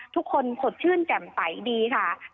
ทุกคนสดชื่นแจ่มใสดีค่ะ